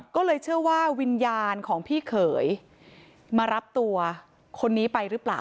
ก็เลยเชื่อว่าวิญญาณของพี่เขยมารับตัวคนนี้ไปหรือเปล่า